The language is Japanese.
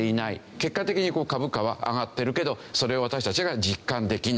結果的に株価は上がってるけどそれを私たちが実感できない。